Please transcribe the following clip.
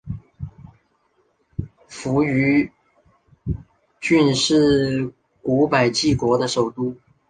扶余郡是古百济国的首都。